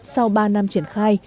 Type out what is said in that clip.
sau ba năm triển khai